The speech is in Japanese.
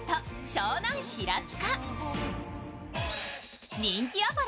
湘南平塚。